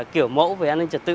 kiểu mẫu về an ninh trật tự